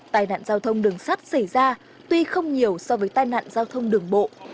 tai nạn giao thông đường sắt xảy ra tuy không nhiều so với tai nạn giao thông đường bộ